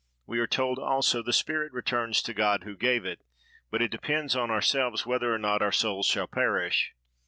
We are told, also, "the spirit returns to God, who gave it;" but it depends on ourselves whether or not our souls shall perish.